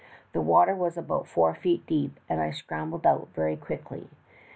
The water was about four feet deep, and I scrambled out very quickly.